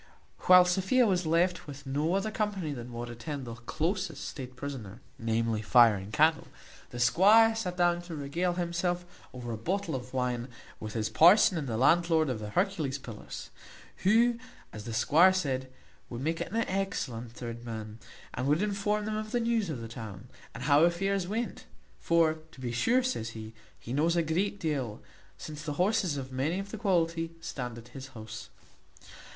While Sophia was left with no other company than what attend the closest state prisoner, namely, fire and candle, the squire sat down to regale himself over a bottle of wine, with his parson and the landlord of the Hercules Pillars, who, as the squire said, would make an excellent third man, and could inform them of the news of the town, and how affairs went; for to be sure, says he, he knows a great deal, since the horses of many of the quality stand at his house.